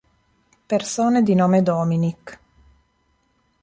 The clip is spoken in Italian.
Persone di nome Dominic